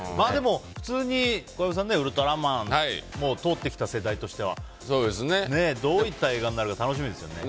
小籔さん、「ウルトラマン」を通ってきた世代としてはどういった映画になるか楽しみですね。